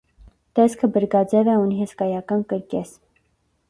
Տեսքը բրգաձև է, ունի հսկայական կրկես։